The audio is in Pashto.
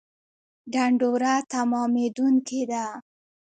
ډنډوره تمامېدونکې ده